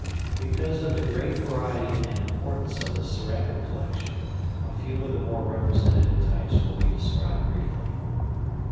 Because of the great variety and importance of the ceramic collection, a few of the more representative types will be described briefly.